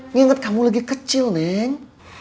mengingat kamu lagi kecil neng